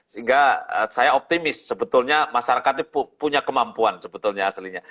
sehingga saya optimis sebetulnya masyarakat itu punya kemampuan sebetulnya aslinya